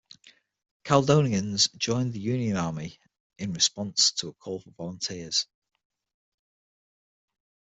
Caledonians joined the Union Army in response to a call for volunteers.